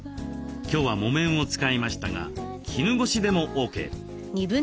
今日は木綿を使いましたが絹ごしでもＯＫ。